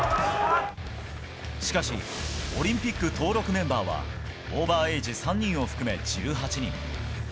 しかしオリンピック登録メンバーはオーバーエージ３人を含め１８人。